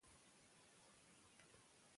که ناروغ وزن زیات ولري، سپورت یې ګټور دی.